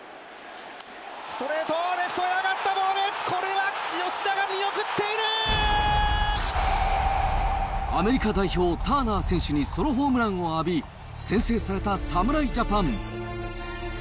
ストレート、レフトへ上がったボール、これは、アメリカ代表、ターナー選手にソロホームランを浴び、先制された侍ジャパン。